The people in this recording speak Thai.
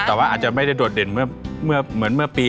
แต่อาจจะไม่ได้โดดดินเหมือนเมื่อปี๕๗๕๘